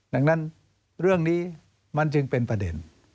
ดังนั้นเรื่องนี้มันจึงเป็นประเด็น